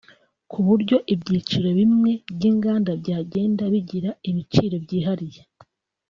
ku buryo ibyiciro bimwe by’inganda byagenda bigira ibiciro byihariye